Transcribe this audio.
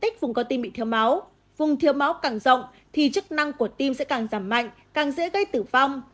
chức năng của tim sẽ càng giảm mạnh càng dễ gây tử vong